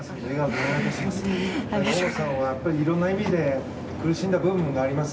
大本さんはいろんな意味で苦しんだ部分があります。